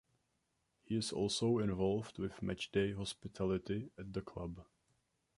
He is also involved with matchday hospitality at the club.